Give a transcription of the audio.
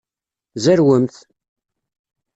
Zerwemt!